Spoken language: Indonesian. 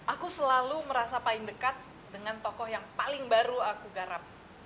aku selalu merasa paling dekat dengan tokoh yang paling baru aku garap